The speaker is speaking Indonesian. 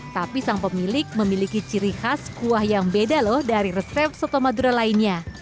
tapi sang pemilik memiliki ciri khas kuah yang beda loh dari resep soto madura lainnya